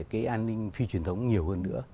cái an ninh phi truyền thống nhiều hơn nữa